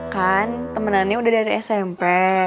kan temenannya udah dari smp